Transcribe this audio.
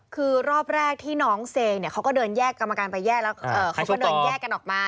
คือรอบแรกที่น้องเซงเนี่ยเขาก็เดินแยกกรรมการไปแยกแล้วเขาก็เดินแยกกันออกมา